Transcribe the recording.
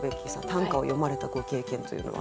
短歌を詠まれたご経験というのは？